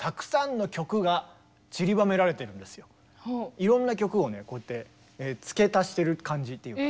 いろんな曲をねこうやって付け足してる感じっていうか。